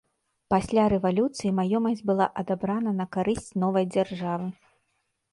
Пасля рэвалюцыі маёмасць была адабрана на карысць новай дзяржавы.